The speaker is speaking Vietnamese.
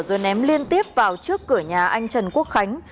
rồi ném liên tiếp vào trước cửa nhà anh trần quốc khánh